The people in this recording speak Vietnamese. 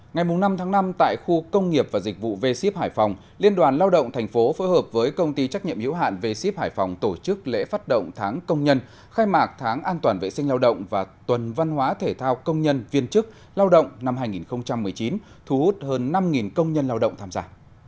ngày năm tháng năm tại khu công nghiệp và dịch vụ v ship hải phòng liên đoàn lao động thành phố phối hợp với công ty trách nhiệm hiểu hạn v ship hải phòng tổ chức lễ phát động tháng công nhân khai mạc tháng an toàn vệ sinh lao động và tuần văn hóa thể thao công nhân viên chức lao động năm hai nghìn một mươi chín thu hút hơn năm công nhân lao động tham gia